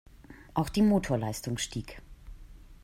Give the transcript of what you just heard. Auch die Motorleistung stieg.